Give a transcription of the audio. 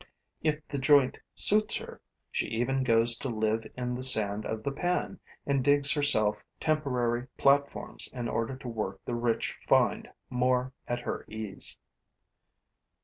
If the joint suits her, she even goes to live in the sand of the pan and digs herself temporary platforms in order to work the rich find more at her ease.